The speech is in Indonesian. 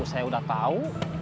saya udah tau